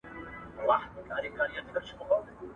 په انټرنېټ کې پښتو ډېره کړئ.